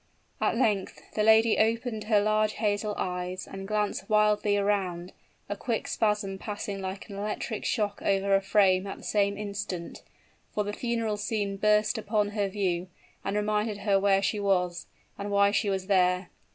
At length the lady opened her large hazel eyes, and glanced wildly around, a quick spasm passing like an electric shock over her frame at the same instant; for the funeral scene burst upon her view, and reminded her where she was, and why she was there.